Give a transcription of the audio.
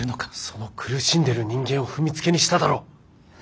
その苦しんでる人間を踏みつけにしただろ。